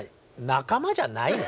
仲間じゃないね。